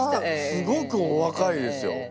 すごくおわかいですよ。